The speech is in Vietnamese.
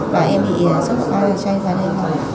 và em bị sốt cao và chay ra đây